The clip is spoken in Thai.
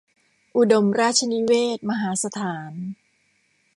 อุดมราชนิเวศน์ มหาสถาน